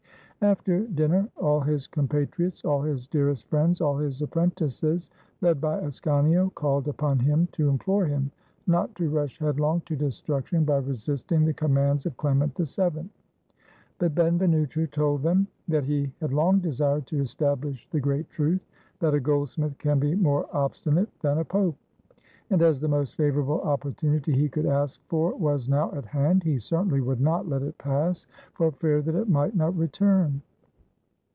After dinner, all his compatriots, all his dearest friends, all his apprentices, led by Ascanio, called upon him to implore him not to rush headlong to destruction by resisting the commands of Clement VII; but Ben venuto told them that he had long desired to estabHsh the great truth that a goldsmith can be more obstinate than a Pope; and as the most favorable opportunity he could ask for was now at hand, he certainly would not let it pass, for fear that it might not return.